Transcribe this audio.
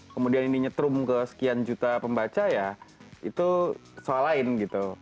kemudian ini nyetrum ke sekian juta pembaca ya itu soal lain gitu